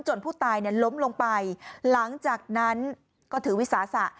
ผู้ตายล้มลงไปหลังจากนั้นก็ถือวิสาสะ